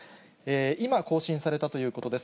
今、更新されたということです。